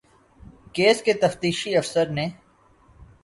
case کے تفتیشی افسر نے